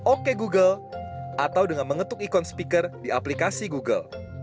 oke google atau dengan mengetuk ikon speaker di aplikasi google